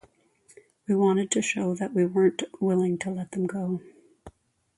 We wanted to show that we weren't willing to let them go.